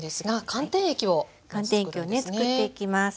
寒天液をねつくっていきます。